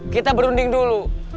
kita berunding dulu